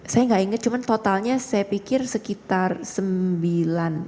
saya nggak ingat cuman totalnya saya pikir sekitar sembilan